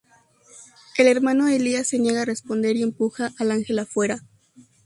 El Hermano Elías se niega a responder y empuja al ángel afuera.